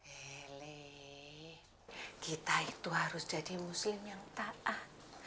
eli kita itu harus jadi muslim yang taat